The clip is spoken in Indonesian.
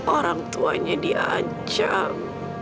orang tuanya dia ancam